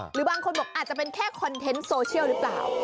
หรือบางคนบอกอาจจะเป็นแค่คอนเทนต์โซเชียลหรือเปล่า